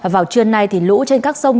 vào trưa nay lũ trên các sông